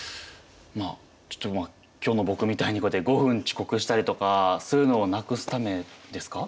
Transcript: まあちょっとまあ今日の僕みたいにこうやって５分遅刻したりとかそういうのをなくすためですか？